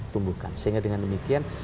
tumbuhkan sehingga dengan demikian